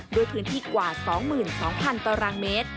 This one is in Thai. โดยพื้นที่กว่า๒๒๐๐๐ตรม